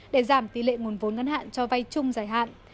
để giảm tỷ lệ nguồn vốn ngân hạn cho vay chung giải hạn